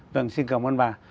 vâng xin cảm ơn bà